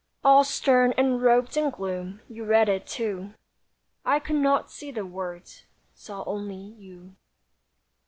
All stern and robed in gloom, You read it too, I could not see the words— Saw only you.